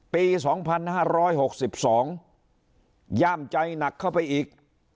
ปี๒๕๖๒ย่ามใจหนักเข้าไปอีก